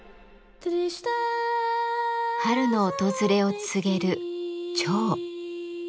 春の訪れを告げる「蝶」。